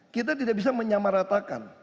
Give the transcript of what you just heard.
kita tidak bisa menyamaratakan